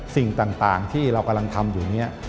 สิ่งต่างที่เรากำลังทำอยู่เนี่ย